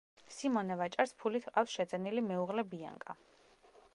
სიმონე ვაჭარს ფულით ჰყავს შეძენილი მეუღლე ბიანკა.